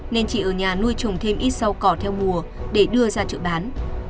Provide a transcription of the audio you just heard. nên chị ở nhà nuôi trồng thêm ít rau cỏ theo mùa để đưa ra chợ bán